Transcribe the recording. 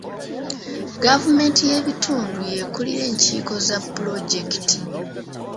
Gavumenti y'ebitundu y'ekulira enkiiko za pulojekiti.